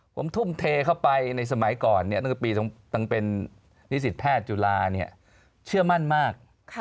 ผมทุ่มเทเข้าไปในสมัยก่อนตั้งแต่ปีเป็นนิสิตแพทย์จุฬาเชื่อมั่นมาก